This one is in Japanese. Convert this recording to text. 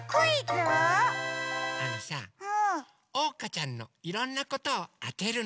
あのさおうかちゃんのいろんなことをあてるの！